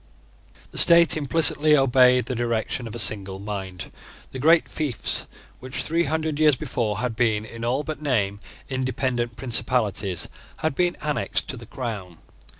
The state implicitly obeyed the direction of a single mind. The great fiefs which, three hundred years before, had been, in all but name, independent principalities, had been annexed to the crown.